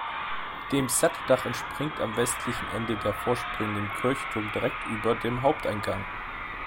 Dem Satteldach entspringt am westlichen Ende der vorspringende Kirchturm, direkt über dem Haupteingang.